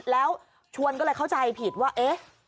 แล้วชวนก็เลยเข้าใจผิดว่าเอ๊ะ